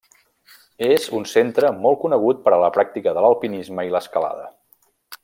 És un centre molt conegut per a la pràctica de l'alpinisme i l'escalada.